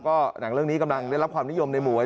ก็หนังเรื่องนี้กำลังได้รับความนิยมในหมวย